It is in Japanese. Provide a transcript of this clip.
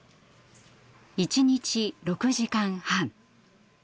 一日６時間半。